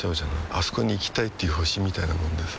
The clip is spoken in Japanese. あそこに行きたいっていう星みたいなもんでさ